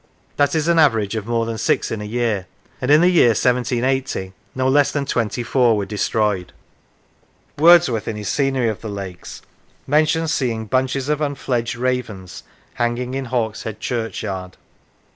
That is an average of more than six in a year, and in the year 1780 no less than twenty four were destroyed. Wordsworth, in his " Scenery of the Lakes," mentions seeing bunches of unfledged ravens hanging in Hawkshead churchyard.